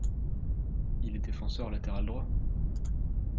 Il est défenseur latéral droit.